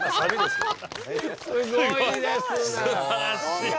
すばらしい！